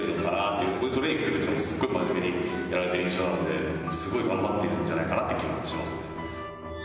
トレーニングする時とかもすごい真面目にやられてる印象なのですごい頑張っているんじゃないかなっていう気はしますね。